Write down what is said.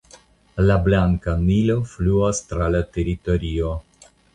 La Blanka Nilo fluas tra la teritorio.